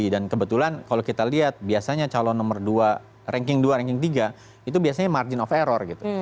dan kebetulan kalau kita lihat biasanya calon nomor dua ranking dua ranking tiga itu biasanya margin of error gitu